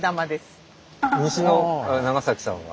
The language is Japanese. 西の長崎さんは？